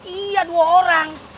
iya dua orang